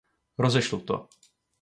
Rozešlu to.